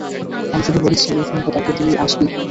আমি শুধু বলেছি এই ফোনটা তাকে দিয়ে আসবি।